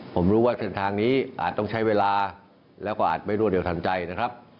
ผมรู้ว่าเส้นทางนี้อาจต้องใช้เวลาแล้วก็อาจไม่รวดเร็วทันใจนะครับ